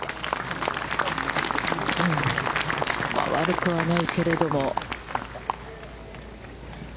悪くはないけれども。